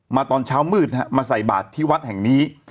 ตอนเช้ามืดมาใส่บาทที่วัดแห่งนี้